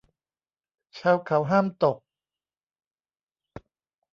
ชาวเขาห้ามตก